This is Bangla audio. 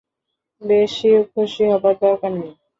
বেশি খুশি হবার দরকার নেই।